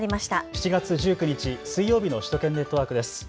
７月１９日、水曜日の首都圏ネットワークです。